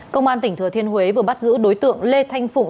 công an tỉnh thừa thiên huế vừa bắt giữ đối tượng lê thanh phụng